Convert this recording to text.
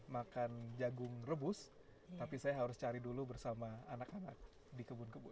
makan jagung rebus tapi saya harus cari dulu bersama anak anak di kebun kebun